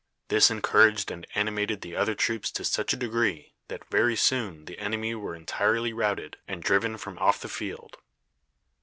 This encouraged and animated the other troops to such a degree that very soon the enemy were entirely routed and driven from off the field.